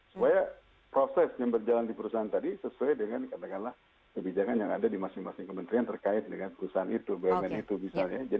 supaya proses yang berjalan di perusahaan tadi sesuai dengan katakanlah kebijakan yang ada di masing masing kementerian terkait dengan perusahaan itu bumn itu misalnya